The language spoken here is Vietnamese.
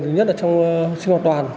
thứ nhất là trong sinh hoạt đoàn